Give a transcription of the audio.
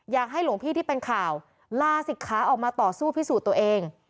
อยากให้หลวงพี่ที่เป็นข่าวลาศิกขาออกมาต่อสู้พิสูจน์ตัวเอง